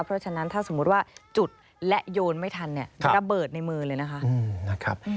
เพราะฉะนั้นถ้าสมมุติว่าจุดและโยนไม่ทันเนี่ยระเบิดในมือเลยนะคะ